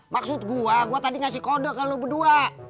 maksud gue gue tadi ngasih kode ke lo berdua